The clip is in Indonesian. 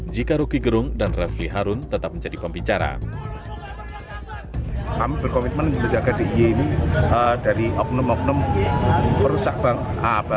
jika rokigerung dan refli harun menangkap pelempar botol air mineral